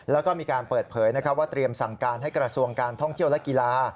แล้วก็มีการเปิดเผยว่าเตรียมสั่งการให้กระทรวงการท่องเที่ยวและกีฬา